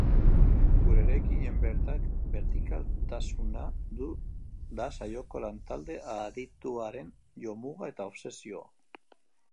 Gure eraikinen bertikaltasuna da saioko lantalde adituaren jomuga eta obsesioa.